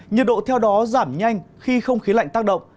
nhiệt độ theo đó giảm nhanh khi không khí lạnh tác động